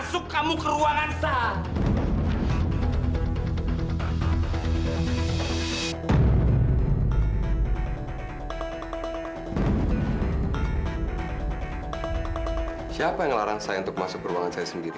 sampai jumpa di video selanjutnya